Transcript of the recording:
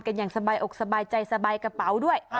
กันอย่างสบายออกสบายจ่ายสบายกระเป๋าด้วย